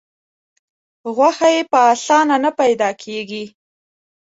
غوښه یې په اسانه نه پیدا کېږي.